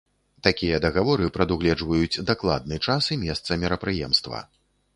Такія дагаворы прадугледжваюць дакладны час і месца мерапрыемства.